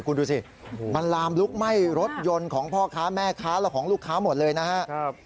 คุณดูสิมันลามลุกไหม้รถยนต์ของพ่อค้าแม่ค้าและของลูกค้าหมดเลยนะครับ